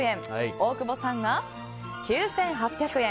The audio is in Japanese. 大久保さんが９８００円。